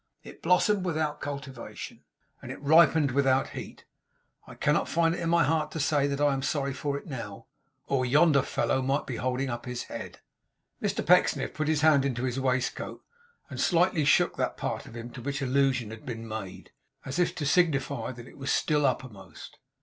It blossomed without cultivation, and it ripened without heat. I cannot find it in my heart to say that I am sorry for it now, or yonder fellow might be holding up his head.' Mr Pecksniff put his hand into his waistcoat, and slightly shook that part of him to which allusion had been made; as if to signify that it was still uppermost.